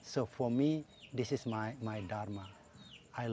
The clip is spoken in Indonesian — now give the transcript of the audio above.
jadi bagi saya ini adalah dharma saya